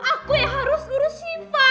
aku yang harus ngurus siva